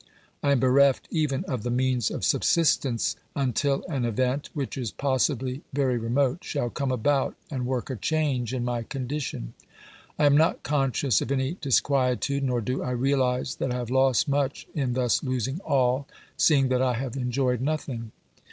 I am bereft even of the means of subsistence until an event, which is possibly very remote, shall come about and work a change in my condition. I am not conscious of any disquietude, nor do I realise that I have lost much in thus losing all, seeing that I have enjoyed nothing.